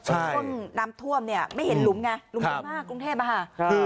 คนนามท่วมไม่เห็นหลุมไงหลุมเยอะมากกรุงเทพ